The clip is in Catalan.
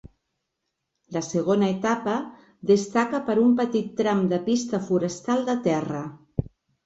La segona etapa destaca per un petit tram de pista forestal de terra.